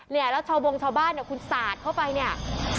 เนี่ยแล้วชาวบงชาวบ้านเนี่ยคุณสาดเข้าไปเนี่ย